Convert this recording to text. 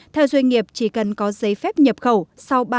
theo doanh nghiệp chỉ cần có giấy phép nhập khẩu sau ba năm ngày